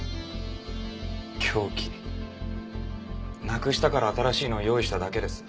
なくしたから新しいのを用意しただけです。